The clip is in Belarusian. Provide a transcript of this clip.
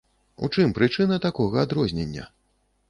У чым прычына такога адрознення?